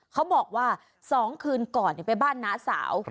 บอกว่า๒คืนก่อนไปบ้านน้าสาว